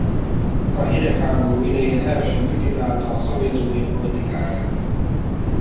A hidegháború idején hevesen kritizálta a Szovjetunió politikáját.